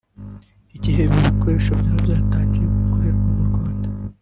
Mu gihe ibi bikoresho byaba byatangiye gukorerwa mu Rwanda